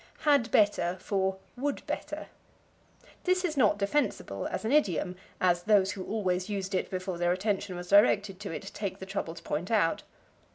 Had Better for Would Better. This is not defensible as an idiom, as those who always used it before their attention was directed to it take the trouble to point out.